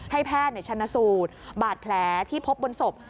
ให้แพทย์ชนสูตรบาดแผลที่พบบนศพ